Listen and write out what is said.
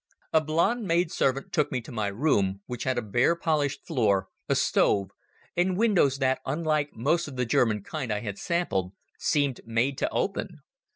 A blonde maidservant took me to my room, which had a bare polished floor, a stove, and windows that, unlike most of the German kind I had sampled, seemed made to open.